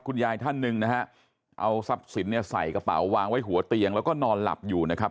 ท่านหนึ่งนะฮะเอาทรัพย์สินเนี่ยใส่กระเป๋าวางไว้หัวเตียงแล้วก็นอนหลับอยู่นะครับ